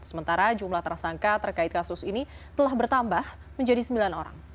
sementara jumlah tersangka terkait kasus ini telah bertambah menjadi sembilan orang